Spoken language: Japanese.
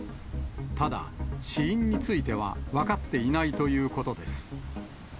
ただ、死因については分かっていないということです。